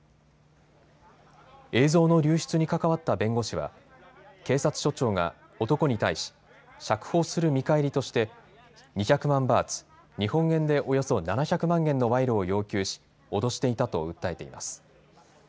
映像の流出に関わった弁護士は警察署長が男に対し、釈放する見返りとして２００万バーツ日本円でおよそ７００万円の賄賂を要求し脅していたと訴えています。